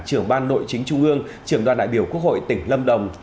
trưởng ban nội chính trung ương trưởng đoàn đại biểu quốc hội tỉnh lâm đồng